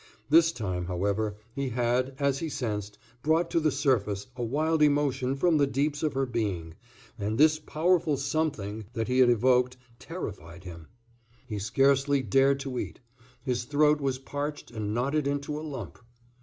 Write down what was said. This time, however, he had, as he sensed, brought to the surface a wild emotion from the deeps of her being, and this powerful something that he had evoked terrified him. He scarcely dared to eat. His throat was parched and knotted into a lump.